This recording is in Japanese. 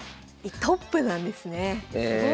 トップなんですね。